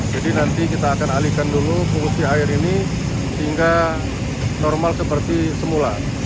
jadi nanti kita akan alihkan dulu fungsi air ini sehingga normal seperti semula